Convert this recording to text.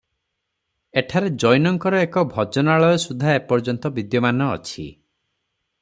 ଏଠାରେ ଜୈନଙ୍କର ଏକ ଭଜନାଳୟ ସୁଦ୍ଧା ଏପର୍ଯ୍ୟନ୍ତ ବିଦ୍ୟମାନ ଅଛି ।